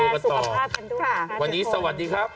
วันนี้สวัสดีครับ